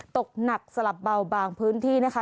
ตกหนักสลับเบาบางพื้นที่นะคะ